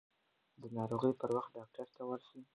د ناروغۍ پر وخت ډاکټر ته ورشئ.